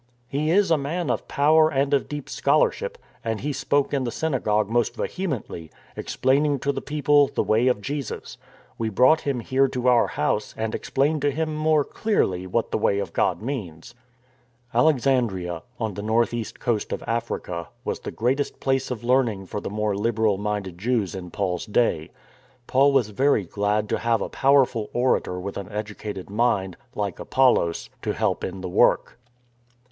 He is a man of power and of deep scholarship, and he spoke in the synagogue most vehemently, explaining to the people the Way of Jesus. We brought him here to our house and ex plained to him more clearly what the Way of God means." Alexandria, on the north east coast of Africa, was the greatest place of learning for the more liberal minded Jews in Paul's day. Paul was very glad to have a powerful orator with an educated mind, like Apollos, to help in the work.